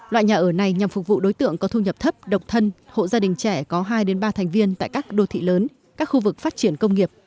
loại nhà ở này nhằm phục vụ đối tượng có thu nhập thấp độc thân hộ gia đình trẻ có hai ba thành viên tại các đô thị lớn các khu vực phát triển công nghiệp